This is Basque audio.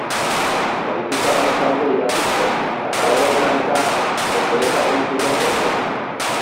Ohituta baikaude irakurtzen, katalogoetan-eta, ezer esaten ez duten testuak.